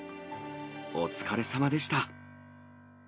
お疲れさまでした。